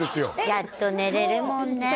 やっと寝れるもんね